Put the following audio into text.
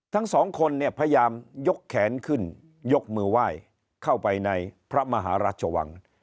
ทั้งสองคนเนี่ยพยายามยกแขนขึ้นยกมือไหว้เข้าไปในพระมหารัชวัง